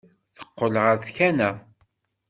Teqqel ɣer tkanna.